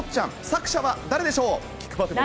作者は誰でしょう？